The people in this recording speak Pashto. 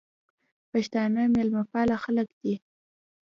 پښتانه میلمه پاله خلک دي